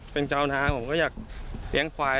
เป็นเจ้านางผมก็อยากเลี้ยงควาย